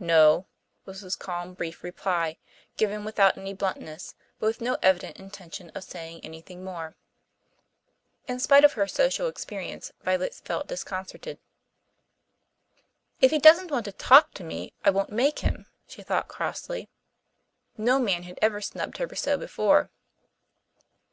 "No," was his calmly brief reply, given without any bluntness, but with no evident intention of saying anything more. In spite of her social experience Violet felt disconcerted. "If he doesn't want to talk to me I won't try to make him," she thought crossly. No man had ever snubbed her so before.